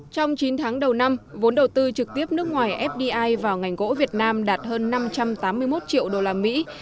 trong chín tháng đầu năm vốn đầu tư trực tiếp nước ngoài fdi vào ngành gỗ việt nam đạt hơn năm trăm tám mươi một triệu đô la mỹ